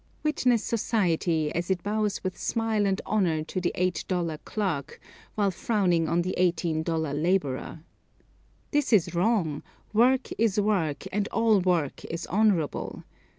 Witness society, as it bows with smile and honor to the eight dollar clerk, while frowning on the eighteen dollar laborer. This is wrong; work is work, and all work is honorable.